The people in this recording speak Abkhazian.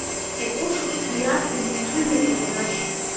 Уҟәышуп ҳәа иарҳәан, дҽыжәырҵеит Арашь.